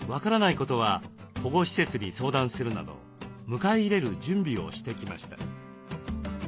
ことは保護施設に相談するなど迎え入れる準備をしてきました。